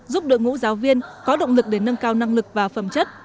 giúp đội ngũ giáo viên có động lực để nâng cao năng lực và phẩm chất